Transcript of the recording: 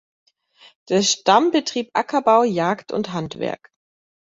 Der Stamm betrieb Ackerbau, Jagd und Handwerk.